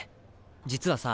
実はさ